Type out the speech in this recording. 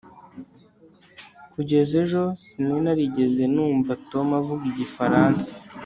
kugeza ejo, sinari narigeze numva tom avuga igifaransa